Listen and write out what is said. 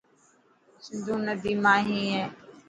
سنڌو نڌي ما هي.